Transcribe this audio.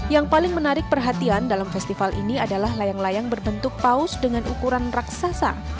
yang paling menarik perhatian dalam festival ini adalah layang layang berbentuk paus dengan ukuran raksasa